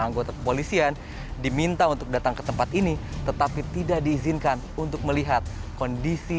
anggota kepolisian diminta untuk datang ke tempat ini tetapi tidak diizinkan untuk melihat kondisi